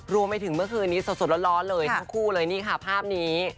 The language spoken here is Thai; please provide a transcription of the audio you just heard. รวมไปถึงเมื่อคืนนี้สดร้อนเลยทั้งคู่เลยนี่ค่ะภาพนี้